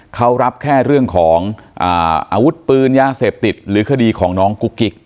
เขารับแค่เรื่องของอาวุธปืนยาเสพติดหรือคดีของน้องกุ๊กกิ๊ก